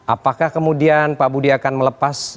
apakah kemudian pak budi akan melepas